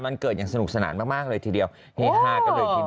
วันเกิดประหลาดอยู่อย่างสนุก